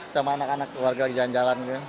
sama anak anak warga jalan jalan